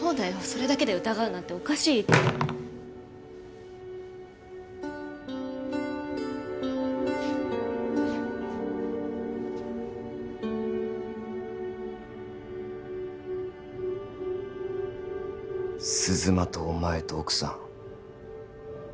それだけで疑うなんておかしい鈴間とお前と奥さん